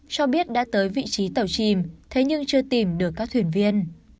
cho biết đã tới vị trí tàu chìm thế nhưng chưa tìm được các thuyền viên